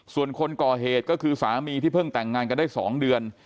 ส่วนคนก่อเหตุก็คือสามีที่เพิ่งแต่งงานกันได้๒เดือน